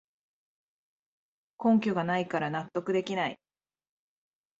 根拠がないから納得できない